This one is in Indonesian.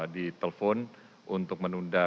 di telpon untuk menunda